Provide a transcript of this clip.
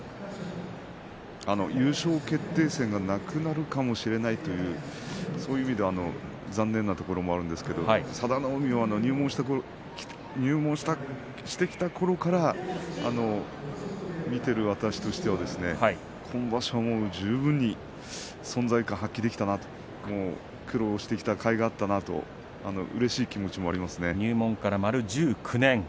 優勝決定戦がなくなるかもしれないというそういう意味では残念なところもあるんですが佐田の海も、入門してきたときから見ている私としては今場所は十分に存在感を発揮できたなと苦労してきたかいがあったなという気持ちはありますね。